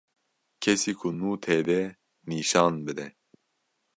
Kesî ku nû tê cih nişan bide